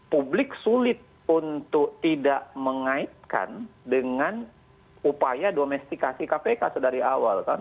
publik sulit untuk tidak mengaitkan dengan upaya domestikasi kpk sedari awal kan